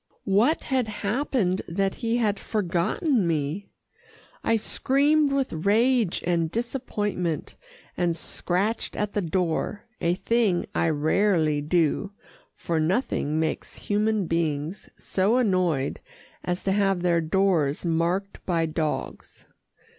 What had happened, that he had forgotten me? I screamed with rage and disappointment, and scratched at the door, a thing I rarely do, for nothing makes human beings so annoyed as to have their doors marked by dogs.